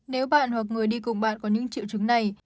nếu bạn hoặc người đi cùng bạn có những triệu chứng này